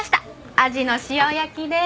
アジの塩焼きです。